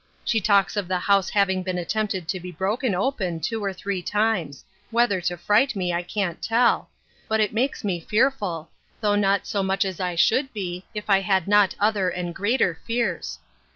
She talks of the house having been attempted to be broken open two or three times; whether to fright me, I can't tell; but it makes me fearful; though not so much as I should be, if I had not other and greater fears.